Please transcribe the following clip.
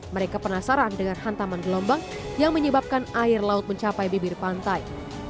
mereka penasaran dengan hantaman gelombang yang menyebabkan air laut mencapai bibir pantai